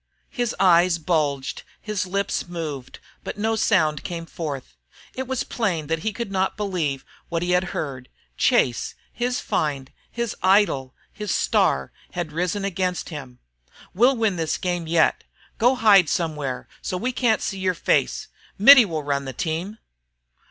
His eyes bulged, his lips moved, but no sound came forth. It was plain that he could not believe what he had heard. Chase, his find, his idol, his star, had risen against him. "We'll win this game yet. Go hide somewhere, so we can't see your face. Mittie will run the team."